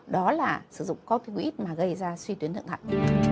đó là sử dụng copywiz mà gây ra suy tuyến thượng thẳng